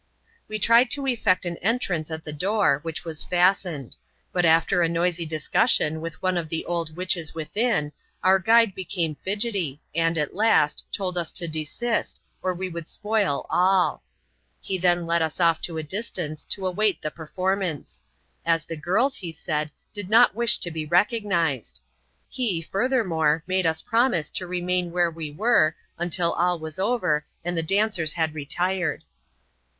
We tried to effect an entrance at the door, which was fastened, but, after a noisy discussion with one of the old witches within^ our guide became fidgety, and, at last, told us to desist, or we would spoil all. He then led ua off to a diatAXkice) \o v^^SX "Co^^ performance ; aa the girlB^ he sttd, did niot ^^[i \x^\^x^»(^^d^^% R 242 ADVENTURES IN THE SOUTH SEAS, [chap; Lxm; He, furthermore, made us promise to remain where we were, until all was over, and the dancers had retired.